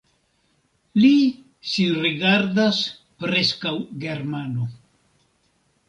Li sin rigardas preskaŭ Germano.